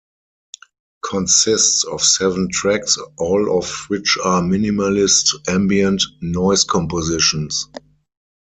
Consists of seven tracks all of which are minimalist ambient noise compositions.